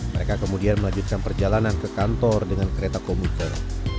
mereka kemudian melanjutkan perjalanan ke kantor dengan kereta komuter